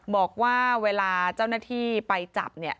บอกว่าเวลาเจ้าหน้าที่ไปจับเนี่ย